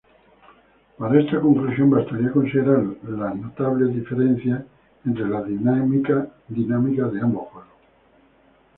Para esta conclusión bastaría considerar las notables diferencias entre las dinámicas de ambos juegos.